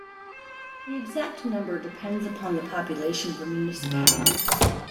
The exact number depends upon the population of the municipality.